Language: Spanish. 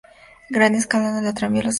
Gran escándalo del tranvía de Estados Unidos